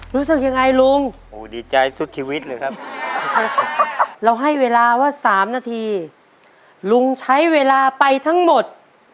รู้สึกยังไงลุงโอ้ดีใจสุดชีวิตเลยครับเราให้เวลาว่า๓นาทีลุงใช้เวลาไปทั้งหมด